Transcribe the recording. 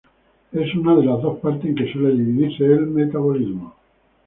Es una de las dos partes en que suele dividirse el metabolismo.